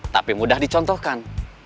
tapi mudah dicontohkan